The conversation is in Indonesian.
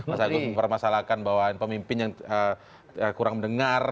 masyarakat mempermasalahkan bahwa pemimpin yang kurang mendengar